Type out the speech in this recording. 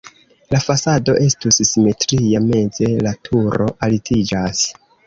La fasado estus simetria, meze la turo altiĝas.